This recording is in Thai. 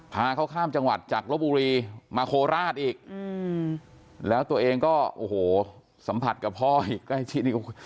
พาเขาข้ามจังหวัดจากระบุรีมาโคราชอีกแล้วตัวเองก็สัมผัสกับพ่อใกล้ที่นี่